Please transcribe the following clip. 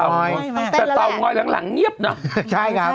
ต้องเต็นแล้วแหละแต่เต่อง่อยหรังเงี๊บหรอ